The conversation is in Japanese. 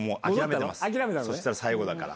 そしたら最後だから。